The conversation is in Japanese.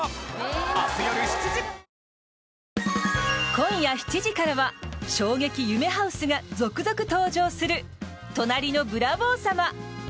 今夜７時からは衝撃夢ハウスが続々登場する「隣のブラボー様」。